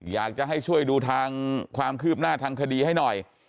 อยากจะให้ช่วยดูทางความคืบหน้าทางคดีให้หน่อย